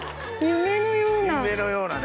夢のような。